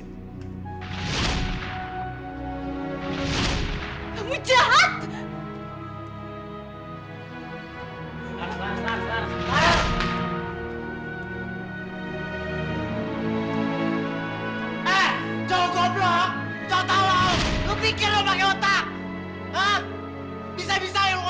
dia ngelakuin semua ini karena dia sayang sama lo